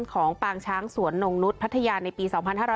ของปากช้างสวนหนุนุฐพัทยาในปี๒๕๖๕